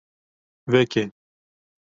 Veke.